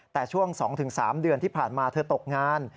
แต่ช่วง๒๓เดือนที่ผ่านมาเธอตกงาน